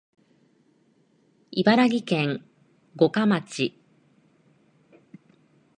茨城県五霞町